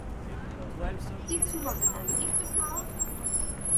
কিচ্ছু হবে না, একটু খাও।